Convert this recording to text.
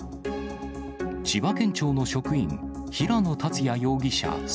千葉県庁の職員、平野達也容疑者